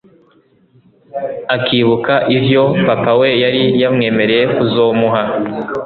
akibukq ivyo Papa we yari yamwemereye kuzomuha